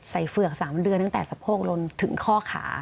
เฝือก๓เดือนตั้งแต่สะโพกลนถึงข้อขา